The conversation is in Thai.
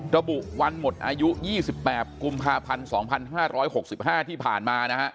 ระบุวันหมดอายุ๒๘กุมภาพันธ์๒๕๖๕ที่ผ่านมานะฮะ